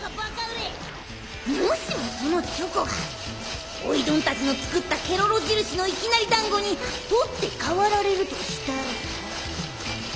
もしもそのチョコがおいどんたちの作ったケロロじるしのいきなりだんごに取って代わられるとしたら。